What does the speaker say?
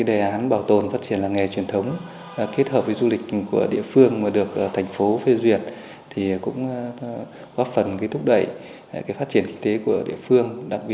đảm bảo trình độ viết đẹp viết đúng